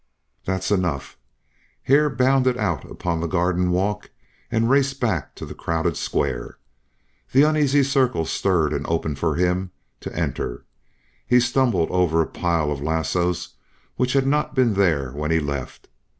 "That's enough!" Hare bounded out upon the garden walk and raced back to the crowded square. The uneasy circle stirred and opened for him to enter. He stumbled over a pile of lassoes which had not been there when he left.